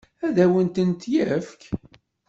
Ad awen-tent-yefk?